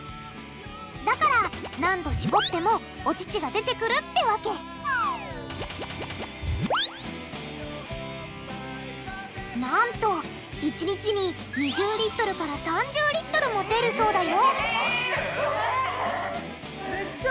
だから何度しぼってもお乳が出てくるってわけなんと１日に２０リットルから３０リットルも出るそうだよ！